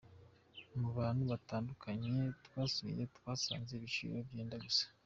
Mu hantu hatandukanye twasuye twasanze ibiciro byenda gusa.